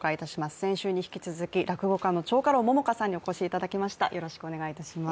先週に引き続き落語家の蝶花楼桃花さんにお越しいただきました。